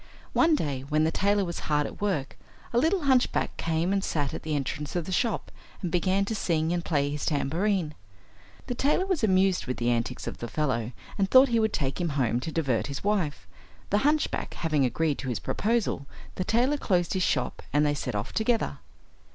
One day, when the tailor was hard at work, a little hunchback came and sat at the entrance of the shop, and began to sing and play his tambourine. The tailor was amused with the antics of the fellow, and thought he would take him home to divert his wife. The hunchback having agreed to his proposal, the tailor closed his shop and they set off together.